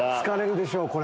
疲れるでしょ？